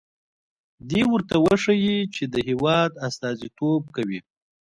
دې ورته وښيي چې د هېواد استازیتوب کوي.